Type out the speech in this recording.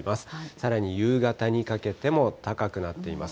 さらに夕方にかけても高くなっています。